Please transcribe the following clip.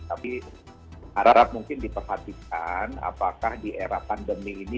tapi harap mungkin diperhatikan apakah di era pandemi ini